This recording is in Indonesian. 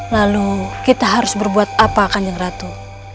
lalu kita harus berbuat apa kanjeng ratu